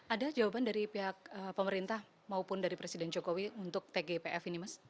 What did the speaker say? ada jawaban dari pihak pemerintah maupun dari presiden jokowi untuk tgpf ini mas